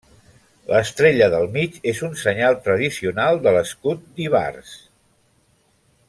L'estrella del mig és un senyal tradicional de l'escut d'Ivars.